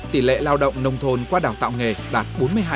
tỷ lệ lao động nông thôn qua đào tạo nghề đạt bốn mươi hai